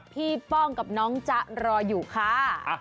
ป้องกับน้องจ๊ะรออยู่ค่ะ